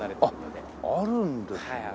あっあるんですね。